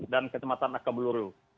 dan kecamatan akabeluru